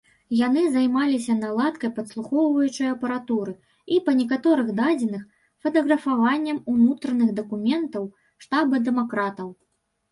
Яны займаліся наладкай падслухоўваючай апаратуры і, па некаторых дадзеных, фатаграфаваннем унутраных дакументаў штаба дэмакратаў.